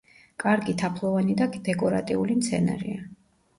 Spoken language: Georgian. კარგი თაფლოვანი და დეკორატიული მცენარეა.